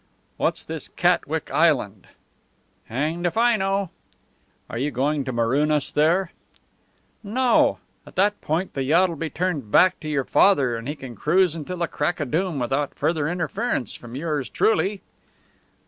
"What's this Catwick Island?" "Hanged if I know!" "Are you going to maroon us there?" "No. At that point the yacht will be turned back to your father, and he can cruise until the crack o' doom without further interference from yours truly."